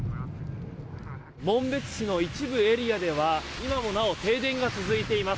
紋別市の一部エリアでは今もなお停電が続いています。